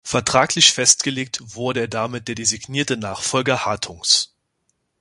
Vertraglich festgelegt wurde er damit der designierte Nachfolger Hartungs.